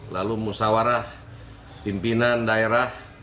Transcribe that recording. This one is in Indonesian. lalu musawarah pimpinan daerah